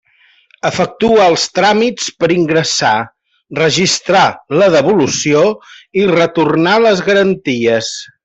Efectua els tràmits per ingressar, registrar la devolució i retornar les garanties.